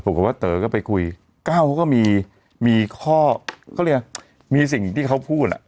เออบอกว่าเต๋อก็ไปคุยก้าวก็มีมีข้อเขาเรียกว่ามีสิ่งที่เขาพูดอ่ะ